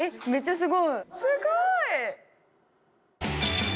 すごい！